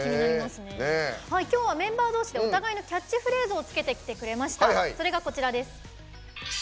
今日はメンバー同士でお互いのキャッチフレーズを付けてきてくれました。